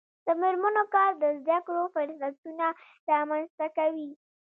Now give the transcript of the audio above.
د میرمنو کار د زدکړو فرصتونه رامنځته کوي.